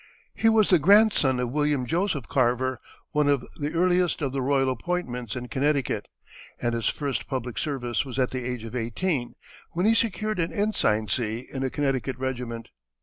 He was the grandson of William Joseph Carver, one of the earliest of the royal appointments in Connecticut, and his first public service was at the age of eighteen, when he secured an ensigncy in a Connecticut regiment.